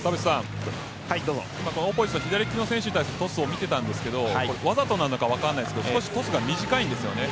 オポジットの左利きの選手に対してのトスを見てたんですがわざとなのか分からないですがトスが短いんですよね。